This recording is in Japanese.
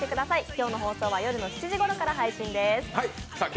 今日の放送は夜７時ごろから配信です。